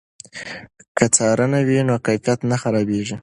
که څارنه وي نو کیفیت نه خرابېږي.